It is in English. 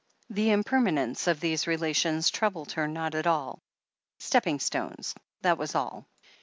The impermanence of these relations troubled her not at all. Stepping stones, that was all.